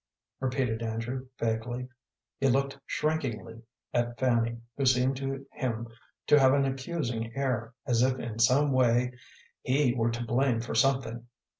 repeated Andrew, vaguely. He looked shrinkingly at Fanny, who seemed to him to have an accusing air, as if in some way he were to blame for something.